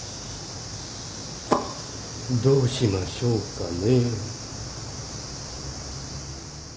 どうしましょうかね。